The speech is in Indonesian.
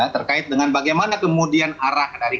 terkait dengan bagaimana kemudian arah dari